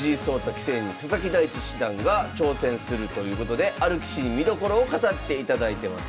棋聖に佐々木大地七段が挑戦するということである棋士に見どころを語っていただいてます。